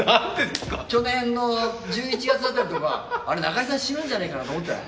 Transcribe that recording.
去年の１１月辺りとかあれ、中居さん、死ぬんじゃないかなと思ったでしょ。